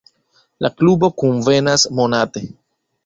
La klubo kunvenas monate.